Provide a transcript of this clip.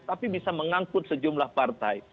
tapi bisa mengangkut sejumlah partai